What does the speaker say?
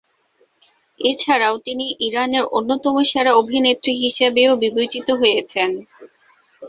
এছাড়াও তিনি ইরানের অন্যতম সেরা অভিনেত্রী হিসাবেও বিবেচিত হয়েছেন।